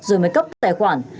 rồi mới cấp tài khoản